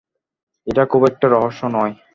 এটা খুব একটা রহস্য নয়।